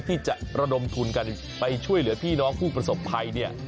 ที่จะระดมทุนกันไปช่วยเหลือพี่น้องผู้ประสบภัยเนี่ย